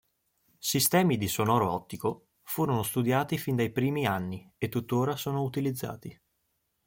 Sistemi di sonoro ottico furono studiati fin dai primi anni e tuttora sono utilizzati.